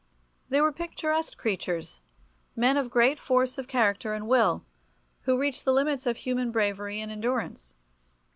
They were picturesque creatures, men of great force of character and will, who reached the limits of human bravery and endurance.